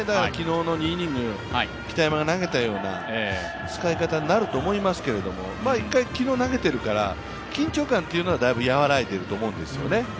昨日の２イニング、北山が投げたような使い方になると思いますけれども、一回、昨日投げてるから緊張感というのは、だいぶやわらいでると思うんですよね。